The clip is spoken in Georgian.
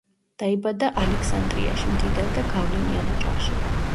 დაიბადა ალექსანდრიაში, მდიდარ და გავლენიან ოჯახში.